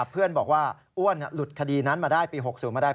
เพื่อนบอกว่าอ้วนหลุดคดีนั้นมาได้ปี๖๐มาได้